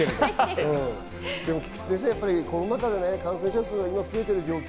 菊地先生、コロナ禍で感染者数が増えている状況。